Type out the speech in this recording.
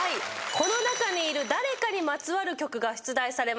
この中にいる誰かにまつわる曲が出題されます。